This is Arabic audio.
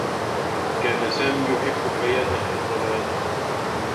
كان سامي يحبّ حياة الحفلات.